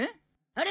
あれ？